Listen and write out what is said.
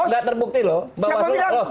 gak terbukti loh bang